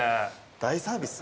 大サービス。